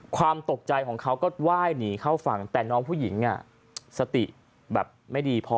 ความตกใจของเขาก็ไหว้หนีเข้าฝั่งแต่น้องผู้หญิงสติแบบไม่ดีพอ